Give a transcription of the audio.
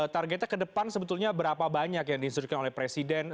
targetnya ke depan sebetulnya berapa banyak yang diinstruksikan oleh presiden